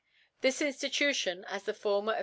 This In^itution, as the former.' of